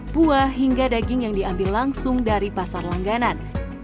buah hingga daging yang diambil langsung dari pasar langganan